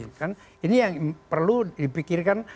ini kan ini yang perlu dipikirkan